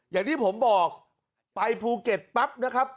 อย่างที่ผมบอกไปภูเก็ตปั๊บนะครับ